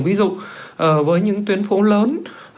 ví dụ với những tuyến phố lớn